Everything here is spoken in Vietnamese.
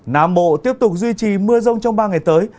nam bộ tiếp tục duy trì mưa rông trong ba ngày tới